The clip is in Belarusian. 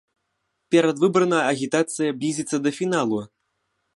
Перадвыбарная агітацыя блізіцца да фіналу.